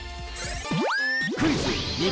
クイズ！